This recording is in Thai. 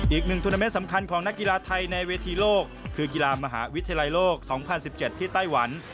อีกหนึ่งธุรกิจสำคัญของนักกีฬาไทยในเวทีโลกคือกีฬามหาวิทยาลัยโลกสองพันสิบเจ็ดที่ไต้หวัน